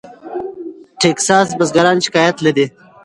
ټیکساس بزګران شکایت لري.